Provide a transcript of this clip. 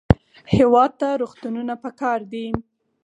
هېواد ته روغتونونه پکار دي